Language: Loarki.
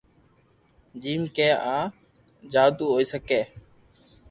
جيم ڪي آ جلدو ھوئي سڪي